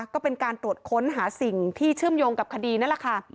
ก็เป็นการตรวจค้นหาสิ่งที่เชื่อมโยงกับคดีนั่นแหละค่ะ